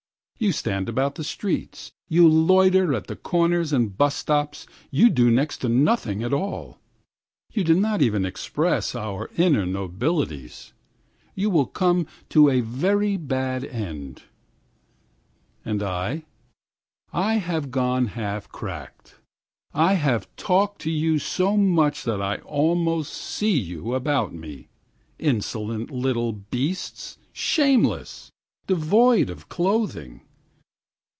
5You stand about the streets, You loiter at the corners and bus stops,6You do next to nothing at all.7You do not even express our inner nobilitys,8You will come to a very bad end.9And I? I have gone half cracked.10I have talked to you so much that I almost see you about me,11Insolent little beasts! Shameless! Devoid of clothing!